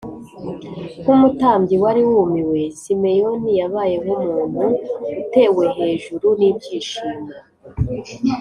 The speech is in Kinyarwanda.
Nk’umutambyi wari wumiwe, Simeyoni yabaye nk’umuntu utewe hejuru n’ibyishimo